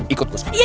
ikut gue sekarang